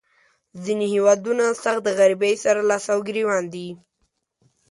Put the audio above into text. ځینې هیوادونه سخت د غریبۍ سره لاس او ګریوان دي.